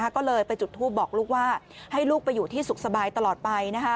ก็เลยไปจุดทูปบอกลูกว่าให้ลูกไปอยู่ที่สุขสบายตลอดไป